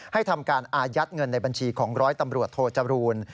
ทำการอายัดเงินในบัญชีของร้อยตำรวจโทจรูล